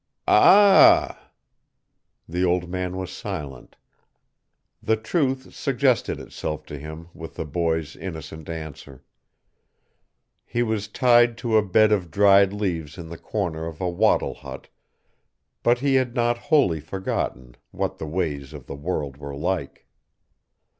"Ah!" The old man was silent: the truth suggested itself to him with the boy's innocent answer. He was tied to a bed of dried leaves in the corner of a wattle hut, but he had not wholly forgotten what the ways of the world were like.